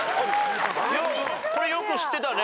これよく知ってたね。